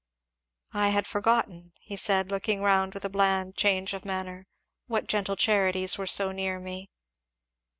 "I had forgotten," he said, looking round with a bland change of manner, "what gentle charities were so near me."